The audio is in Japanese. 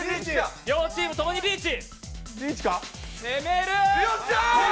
両チームともにリーチ。